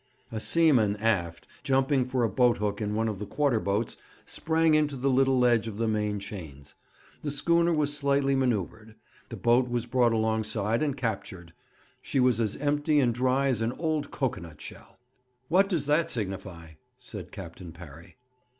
A seaman aft, jumping for a boathook in one of the quarter boats, sprang into the little ledge of the main chains. The schooner was slightly manoeuvred; the boat was brought close alongside and captured. She was as empty and dry as an old cocoanut shell. 'What does that signify?' said Captain Parry.